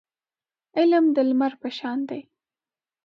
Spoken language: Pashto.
علم د لمر په شان دی.